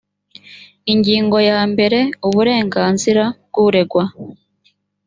ingingo ya mbere uburenganzira bw uregwa